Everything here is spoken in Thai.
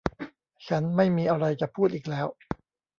ฉันไม่มีอะไรจะพูดอีกแล้ว